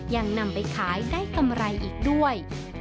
ยังนำไปขายได้กำไรอีกด้วย